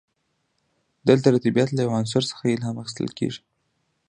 دلته د طبیعت له یو عنصر څخه الهام اخیستل کیږي.